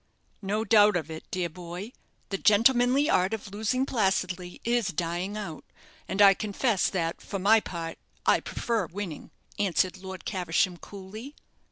"No doubt of it, dear boy; the gentlemanly art of losing placidly is dying out; and I confess that, for my part, I prefer winning," answered Lord Caversham, coolly.